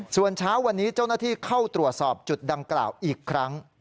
ส่วนเช้าวันนี้เจ้าหน้าที่เข้าตรวจสอบจุดดังกล่าวอีกครั้ง